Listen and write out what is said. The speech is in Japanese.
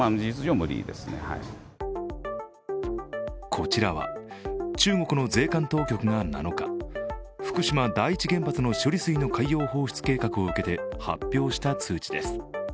こちらは中国の税関当局が７日、福島第一原発の処理水の海洋放出計画を受けて発表した通知です。